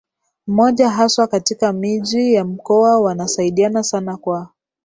mmoja haswa katika miji ya mkoa Wanasaidiana sana kwa